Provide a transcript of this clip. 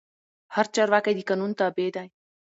هر چارواکی د قانون تابع دی